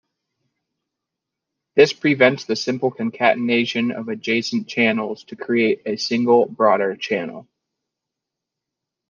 This prevents the simple concatenation of adjacent channels to create a single broader channel.